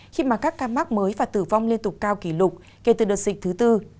khi mà các ca mắc mới và tử vong liên tục cao kỷ lục kể từ đợt dịch thứ tư